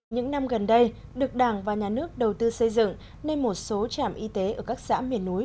những năm gần đây được đảng và nhà nước đầu tư xây dựng nên một số trạm y tế ở các xã miền núi